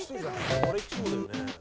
あれいきそうだよね